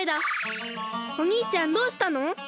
おにいちゃんどうしたの！？